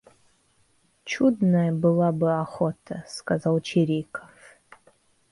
Чудная была бы охота, — сказал Чириков.